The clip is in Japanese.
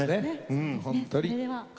本当に。